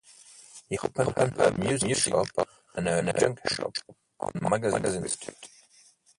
He opened up a music shop and a junk shop on Magazine Street.